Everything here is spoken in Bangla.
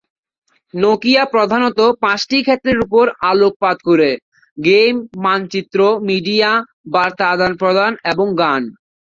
নকিয়া প্রধানত পাঁচটি ক্ষেত্রের উপর আলোকপাত করে; গেম, মানচিত্র, মিডিয়া, বার্তা আদান-প্রদান এবং গান।